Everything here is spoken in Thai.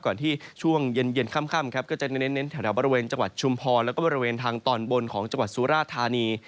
ก่อนที่ช่วงเย็นค่ำครับก็จะเน้นแถวบริเวณจังหวัดชุมพรแล้วก็บริเวณทางตอนบนของจังหวัดสุราธานี